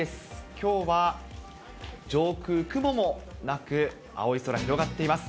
きょうは上空、雲もなく、青い空広がっています。